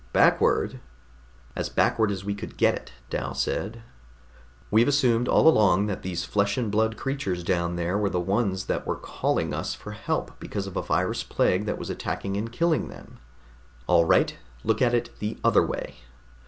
"Backward?" "As backward as we could get it," Dal said. "We've assumed all along that these flesh and blood creatures down there were the ones that were calling us for help because of a virus plague that was attacking and killing them. All right, look at it the other way.